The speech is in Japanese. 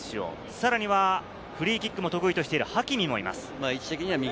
さらにフリーキックも得意としているハキミもいます。